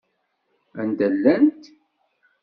Anda llant?